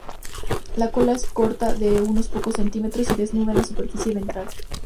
La cola es corta, de unos pocos centímetros, y desnuda en la superficie ventral.